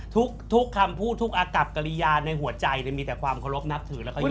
ถูกข้ำพูดทุกอากับกระลี้ยาในหัวใจเนี่ยมีแต่ความรบนับถือแล้วก็อยู่ม